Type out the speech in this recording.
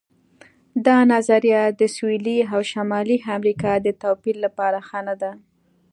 دا نظریه د سویلي او شمالي امریکا د توپیر لپاره ښه نه ده.